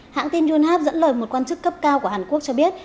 hãng tin junhap dẫn lời một quan chức cấp cao của hàn quốc cho biết